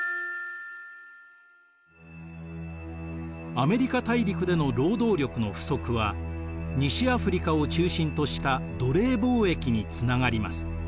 アメリカ大陸での労働力の不足は西アフリカを中心とした奴隷貿易につながります。